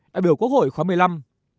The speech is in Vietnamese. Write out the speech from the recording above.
đại biểu quốc hội khóa một mươi năm